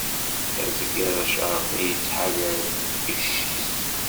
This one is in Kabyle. Azger acerqi ittḥadar icc-is.